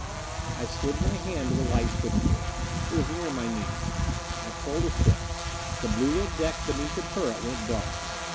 I slid my hand to the light switchboard. It was near my knees. I pulled a switch. The blue lit deck beneath the turret went dark.